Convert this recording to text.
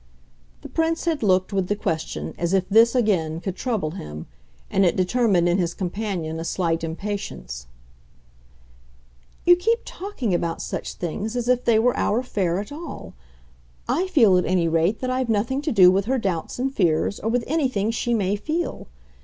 The Prince had looked, with the question, as if this, again, could trouble him, and it determined in his companion a slight impatience. "You keep talking about such things as if they were our affair at all. I feel, at any rate, that I've nothing to do with her doubts and fears, or with anything she may feel.